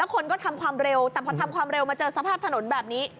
คนก็ทำความเร็วแต่พอทำความเร็วมาเจอสภาพถนนแบบนี้